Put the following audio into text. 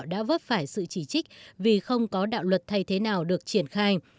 đã vấp phải sự chỉ trích vì không có đạo luật thay thế nào được triển khai